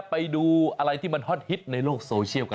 ไปดูอะไรที่มันฮอตฮิตในโลกโซเชียลกัน